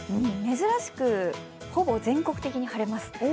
珍しくほぼ全国的に晴れます。